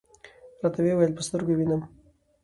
راته وې ویل: په سترګو یې وینم .